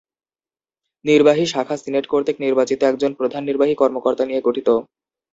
নির্বাহী শাখা সিনেট কর্তৃক নির্বাচিত একজন প্রধান নির্বাহী কর্মকর্তা নিয়ে গঠিত।